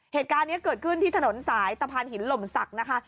เหตุการณ์นี้เกิดขึ้นที่ถนนสายตะพานหินหล่มศักดิ์นะคะ